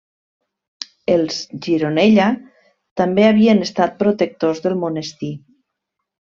Els Gironella també havien estat protectors del monestir.